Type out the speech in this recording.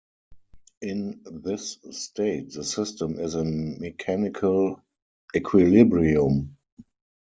In this state the system is in mechanical equilibrium.